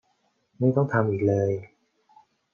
ไม่ต้องทำอีกเลย